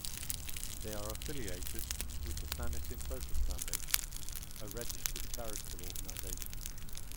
They are affiliated with the Planet in Focus Foundation, a registered charitable organization.